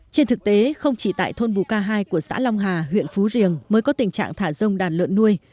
trên thực tế không chỉ tại thôn bù ca hai của xã long hà huyện phú riềng mới có tình trạng thả rông đàn lợn nuôi